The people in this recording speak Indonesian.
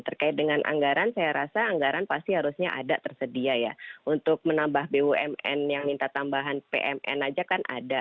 terkait dengan anggaran saya rasa anggaran pasti harusnya ada tersedia ya untuk menambah bumn yang minta tambahan pmn aja kan ada